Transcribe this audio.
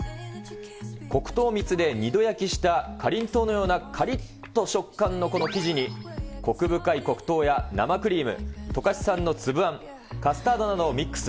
黒糖蜜で二度焼きしたかりんとうのようなかりっとした食感のこの生地に、こく深い黒糖や生クリーム、十勝産の粒あん、カスタードなどをミックス。